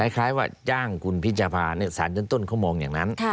คล้ายว่าจ้างคุณพิชภาสารชั้นต้นเขามองอย่างนั้น